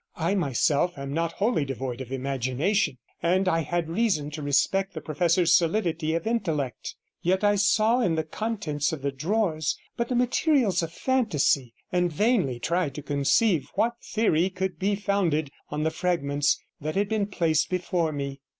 I myself am not wholly devoid of imagination, and I had reason to respect the professor's solidity of intellect; yet I saw in the contents of the drawers but the materials of fantasy, and vainly tried to conceive what theory could be founded on the fragments that had been placed before me.